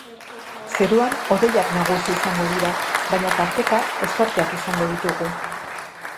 Zeruan hodeiak nagusi izango dira, baina tarteka ostarteak izango ditugu.